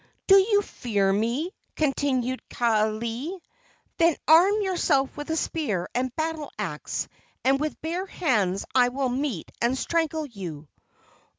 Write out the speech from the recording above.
"Do you fear me?" continued Kaaialii. "Then arm yourself with spear and battle axe, and with bare hands I will meet and strangle you!"